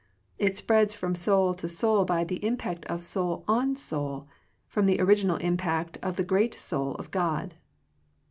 It spreads from soul to soul by the impact of soul on soul, from the original impact of the great soul of God.